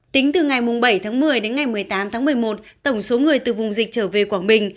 tính từ ngày bảy tháng một mươi đến ngày một mươi tám tháng một mươi một tổng số người từ vùng dịch trở về quảng bình